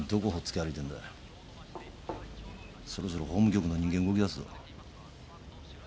そろそろ法務局の人間動きだすぞ。